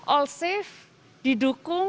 all safe didukung